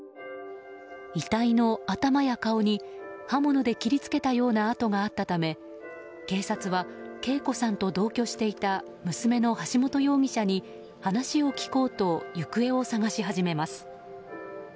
遺体の頭や顔に刃物で切り付けたような痕があったため警察は啓子さんと同居していた娘の橋本容疑者に話を聞こうと行方を捜し始めます。